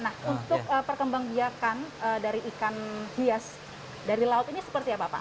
nah untuk perkembang biakan dari ikan hias dari laut ini seperti apa pak